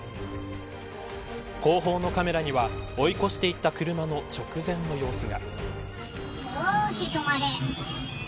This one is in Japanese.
後方のカメラには追い越していった車の直前の様子が。